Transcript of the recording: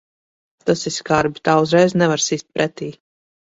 Tas ir skarbi. Tā uzreiz nevar sist pretī.